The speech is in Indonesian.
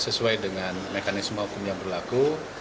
sesuai dengan mekanisme hukum yang berlaku